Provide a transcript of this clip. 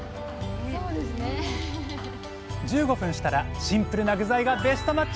１５分したらシンプルな具材がベストマッチ！